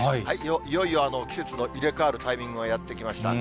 いよいよ季節の入れ代わるタイミングがやって来ました。